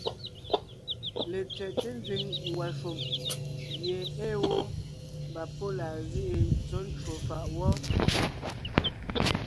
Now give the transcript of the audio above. Letsẅɛ́te nzẅìŋ ngwàshùm gie ée wó, mbà pɔ́ laa zíʼi tsɔ̌ ncwò fàʼ wɔ́.